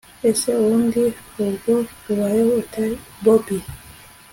ese ubundi ubwo ubayeho ute bobi!